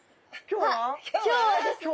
今日は？